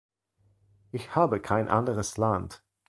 Ich habe kein anderes Land.